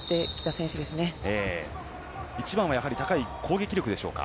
一番は高い攻撃力でしょうか。